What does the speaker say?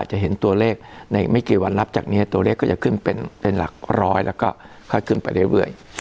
จะเห็นตัวเลขในไม่กี่วันรับจากนี้ตัวเลขก็จะขึ้นเป็นหลักร้อยแล้วก็ค่อยขึ้นไปเรื่อย